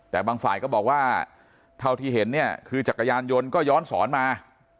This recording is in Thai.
แต่บางฝ่ายก็บอกว่าเท่าที่เห็นเนี่ยคือจักรยานยนต์ก็ย้อนสอนมา